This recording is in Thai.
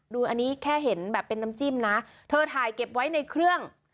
ดูอันนี้แค่เห็นแบบเป็นน้ำจิ้มนะเธอถ่ายเก็บไว้ในเครื่อง